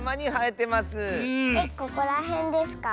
えっここらへんですか？